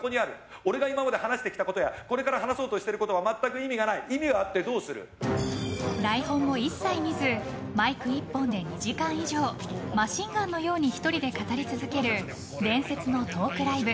俺が今まで話してきたことやこれから話そうとしていることは台本も一切見ずマイク１本で２時間以上マシンガンのように１人で語り続ける伝説のトークライブ